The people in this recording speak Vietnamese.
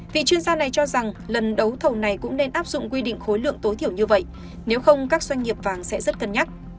vị chuyên gia này cho rằng lần đấu thầu này cũng nên áp dụng quy định khối lượng tối thiểu như vậy nếu không các doanh nghiệp vàng sẽ rất cân nhắc